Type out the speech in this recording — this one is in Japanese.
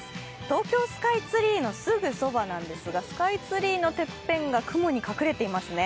東京スカイツリーのすぐそばなんですが、スカイツリーのてっぺんが雲に隠れていますね。